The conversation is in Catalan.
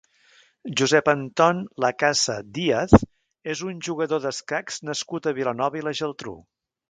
Josep Anton Lacasa Díaz és un jugador d'escacs nascut a Vilanova i la Geltrú.